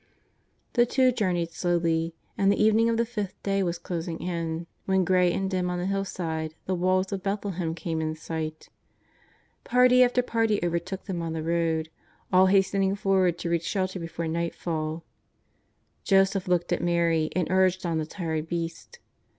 The two journeyed slowly, and the evening of the fifth day was closing in, when, grey and dim on the hill side, the walls of Bethhlehem came in sight. Party after party overtook them on the road, all hastening forward to reach shelter before nightfall. Joseph looked at Mary and urged on the tired beast.